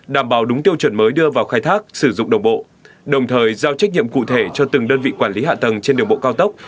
đảm bảo đúng tiêu chuẩn mới đưa vào khai thác sử dụng đồng bộ đồng thời giao trách nhiệm cụ thể cho từng đơn vị quản lý hạ tầng trên đường bộ cao tốc